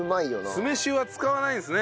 酢飯は使わないんですね。